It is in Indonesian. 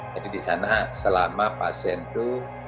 jadi di sana selama pasien itu